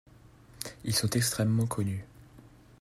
Ils sont extrêmement connus.